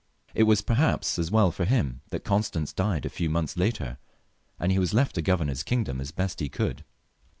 It was, perhaps, as well for him that Constance died a few months later» and he was left to govern his kingdom as best he could.